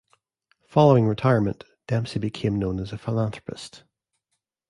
Following retirement, Dempsey became known as a philanthropist.